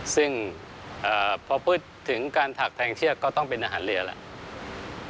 ซึ่งพอพูดถึงการถักแทงเชือกก็ต้องเป็นอาหารเรือแล้ว